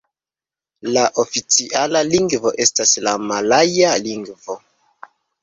La oficiala lingvo estas la malaja lingvo.